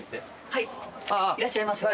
はいいらっしゃいませ。